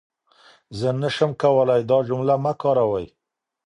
زه نشم کولای دا جمله مه کاروئ.